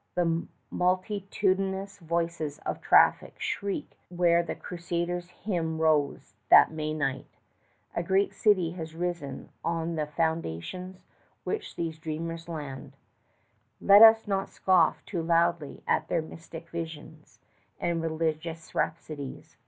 The multitudinous voices of traffic shriek where the crusaders' hymn rose that May night. A great city has risen on the foundations which these dreamers laid. Let us not scoff too loudly at their mystic visions and religious rhapsodies!